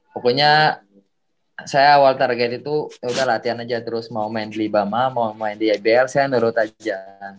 pokoknya saya awal target itu udah latihan aja terus mau main di libama mau main di ibl saya nurut aja